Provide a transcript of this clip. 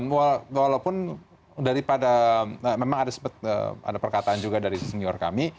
walaupun daripada memang ada perkataan juga dari senior kami